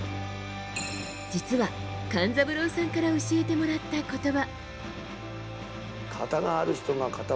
実は、勘三郎さんから教えてもらった言葉。